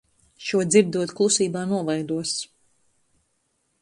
Šo dzirdot, klusībā novaidos...